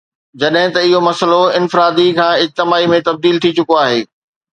جڏهن ته اهو مسئلو انفرادي کان اجتماعي ۾ تبديل ٿي چڪو آهي